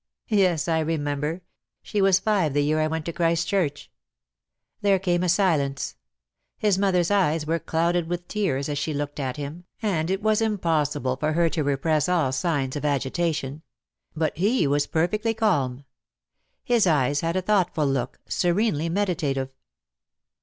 "Yes, I remember. She was five the year I went to Christ Church." There came a silence. His mother's eyes were clouded with tears as she looked at him, and it. was impossible for her to repress all signs of agitation; but he was perfectly calm. His eyes had a thought ful look, serenely meditative.